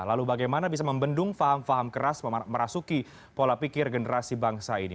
lalu bagaimana bisa membendung faham faham keras merasuki pola pikir generasi bangsa ini